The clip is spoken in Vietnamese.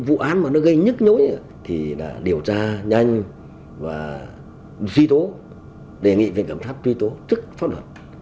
vụ án mà nó gây nhức nhối thì điều tra nhanh và truy tố đề nghị về cảnh sát truy tố trước pháp luật